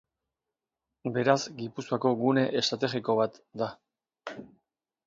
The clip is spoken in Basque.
Beraz, Gipuzkoako gune estrategiko bat da.